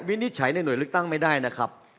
วินิจฉัยในหน่วยเลือกตั้งไม่ได้นะครับ